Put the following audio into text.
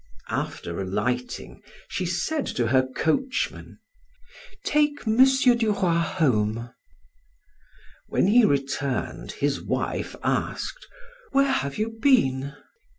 After alighting, she said to her coachman: "Take M. du Roy home." When he returned, his wife asked: "Where have you been?"